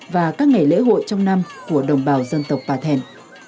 và các ngày lễ hội trong năm của đồng bào dân tộc bà thèn